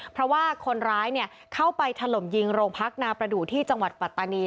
เพราะว่าคนร้ายเข้าไปถล่มยิงโรงพักนาประดูกที่จังหวัดปัตตานี